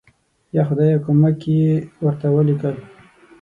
یا خدایه کومک یې ورته ولیکل.